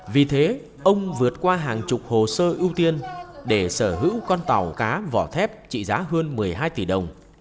vì thế ông vượt qua hàng chục hồ sơ ưu tiên để sở hữu con tàu cá vỏ thép trị giá hơn một mươi hai tỷ đồng